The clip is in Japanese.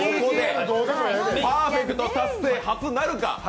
パーフェクト達成、初、なるか。